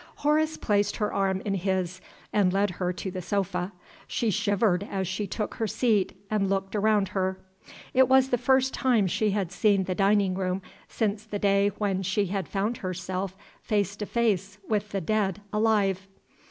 Horace placed her arm in his, and led her to the sofa. She shivered as she took her seat, and looked round her. It was the first time she had seen the dining room since the day when she had found herself face to face with the dead alive.